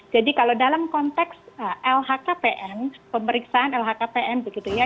jadi kalau dalam konteks lhkpn pemeriksaan lhkpn begitu ya